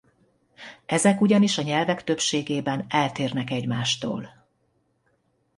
Ezek ugyanis a nyelvek többségében eltérnek egymástól.